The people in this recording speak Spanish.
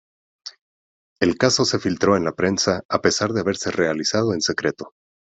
El caso se filtró en la prensa a pesar de haberse realizado en secreto.